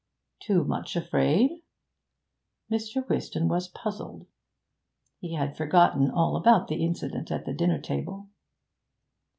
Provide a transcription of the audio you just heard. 'Too much afraid?' Mr. Whiston was puzzled. He had forgotten all about the incident at the dinner table.